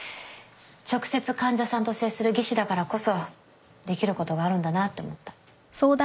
直接患者さんと接する技師だからこそできることがあるんだなって思った。